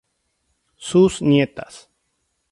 Sus nietas.